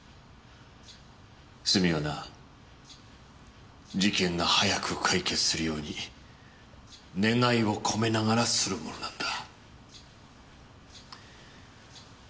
墨はな事件が早く解決するように願いを込めながらするものなんだ。